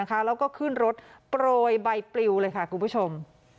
แล้วก็ขึ้นรถโปรยใบปลิวเลยค่ะคุณผู้ชม